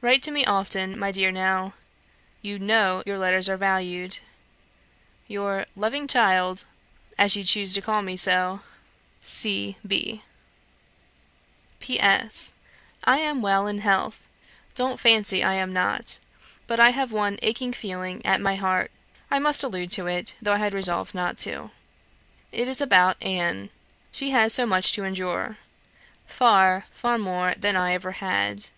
Write to me often, my dear Nell; you know your letters are valued. Your 'loving child' (as you choose to call me so), C. B. "P.S. I am well in health; don't fancy I am not, but I have one aching feeling at my heart (I must allude to it, though I had resolved not to). It is about Anne; she has so much to endure: far, far more than I ever had.